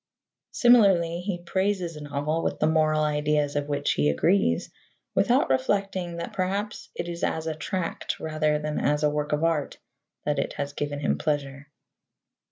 Similarly, he praises a novel with the moral ideas of which he agrees, without reflecting that perhaps it is as a tract rather than as a work of art that it has given him pleasure.